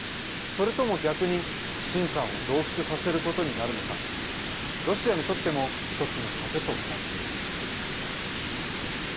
それとも逆に、不信感を増幅させることになるのかロシアにとっても一つの賭けとなっています。